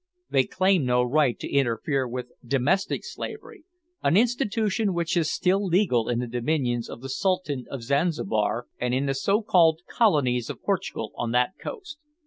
They claim no right to interfere with "domestic slavery," an institution which is still legal in the dominions of the Sultan of Zanzibar and in the so called colonies of Portugal on that coast.